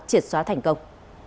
triệt xóa thành công